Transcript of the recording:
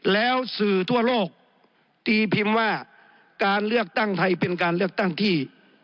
แล้วสื่อทั่วโลกตีพิมพ์ว่าการเลือกตั้งไทยเป็นการเลือกตั้งที่